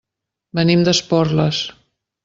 Venim d'Esporles.